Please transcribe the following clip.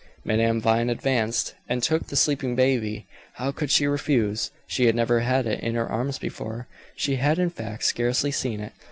Madame Vine advanced and took the sleeping baby. How could she refuse? She had never had it in her arms before; she had, in fact, scarcely seen it.